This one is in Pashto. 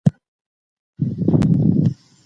فشار د شک احساس زیاتوي.